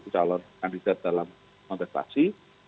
calon kandidat dalam kontestasi